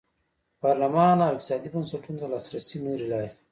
پارلمان او اقتصادي بنسټونو ته د لاسرسي نورې لارې.